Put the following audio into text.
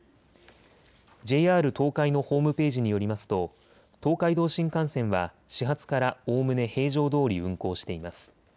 ＪＲ東海のホームページによりますと東海道新幹線は始発から、おおむね平常どおり運行しています。